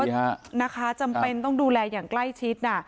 เพราะว่าจำเป็นต้องดูแลอย่างใกล้ชิด